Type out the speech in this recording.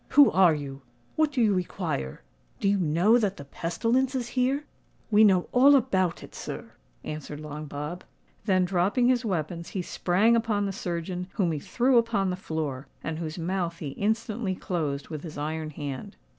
Who are you? what do you require? Do you know that the pestilence is here?" "We know all about it, sir," answered Long Bob. Then, dropping his weapons, he sprang upon the surgeon, whom he threw upon the floor, and whose mouth he instantly closed with his iron hand.